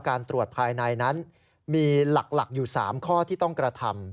การตรวจภายในนั้นมีหลักอยู่๓ข้อที่ต้องกระทำ